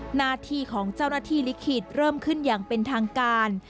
หน้าที่ของเจ้าหน้าที่ลิขิตเริ่มขึ้นอย่างเป็นทางการ